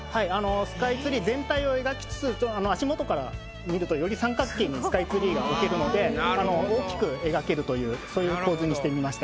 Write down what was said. スカイツリー全体を描きつつ足元から見るとより三角形にスカイツリーが置けるので大きく描けるというそういう構図にしてみました。